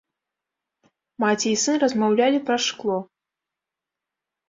Маці і сын размаўлялі праз шкло.